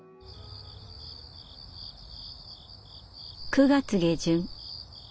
９月下旬。